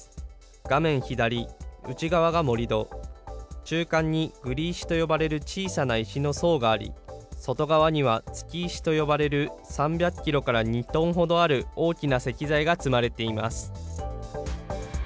画面左、内側が盛り土、中間に栗石と呼ばれる小さな石の層があり、外側には築石と呼ばれる３００キロから２トンほどある大きな石材が積まれています。